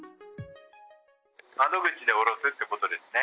窓口で下ろすっていうことですね。